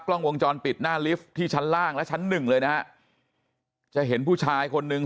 กล้องวงจรปิดหน้าลิฟท์ที่ชั้นล่างและชั้นหนึ่งเลยนะฮะจะเห็นผู้ชายคนนึง